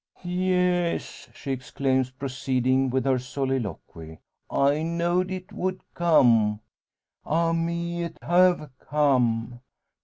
"Yes!" she exclaims, proceeding with her soliloquy; "I knowed it would come! Ah, me! it have come.